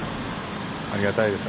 ありがたいです。